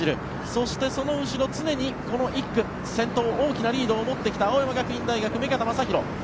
そしてその後ろ、常に１区先頭大きなリードを持ってきた青山学院大学、目片将大